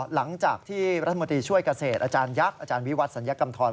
หลังจากที่รัฐมนตรีช่วยเกษตรอาจารยักษ์อาจารย์วิวัตศัลยกรรมธร